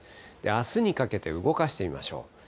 あすにかけて動かしてみましょう。